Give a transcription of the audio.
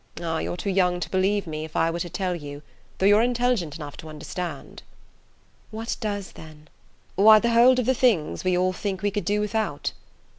"Ah, you're too young to believe me, if I were to tell you; though you're intelligent enough to understand." "What does, then?" "Why, the hold of the things we all think we could do without.